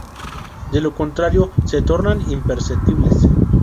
De lo contrario se tornan imperceptibles.